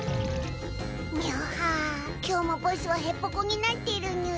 にゃは今日もボスはへっぽこになってるにゅい。